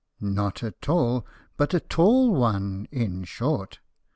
Not at all but a tall one, in short